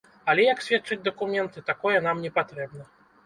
Але, як сведчаць дакументы, такое нам не патрэбна.